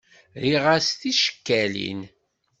Rriɣ-as ticekkalin.